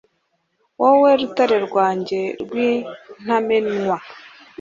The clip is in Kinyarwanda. wowe rutare rwanjye rw’intamenwa